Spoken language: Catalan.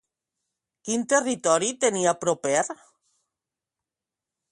Quin territori tenia proper?